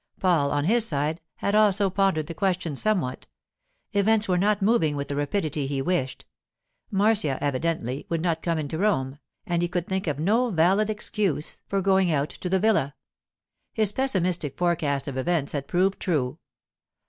Paul, on his side, had also pondered the question somewhat. Events were not moving with the rapidity he wished. Marcia, evidently, would not come into Rome, and he could think of no valid excuse for going out to the villa. His pessimistic forecast of events had proved true.